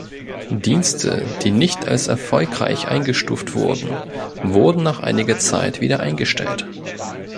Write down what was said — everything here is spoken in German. Dienste, die nicht als erfolgreich eingestuft wurden, wurden nach einiger Zeit wieder eingestellt.